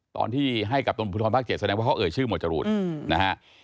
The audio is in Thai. ตอนที่ให้กับตำรวจภูทรภาค๗แสดงว่าเขาเอ่ยชื่อหมวดจรูนนะฮะ